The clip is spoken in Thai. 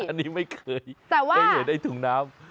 อันนี้ไม่เคยไม่เห็นไอ้ถุงน้ำ